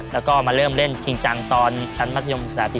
แล้วก็มาเริ่มเล่นชิงจังตอนชั้นมัธยมสัญญาณภาษาปี๑